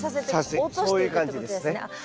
そういう感じですね。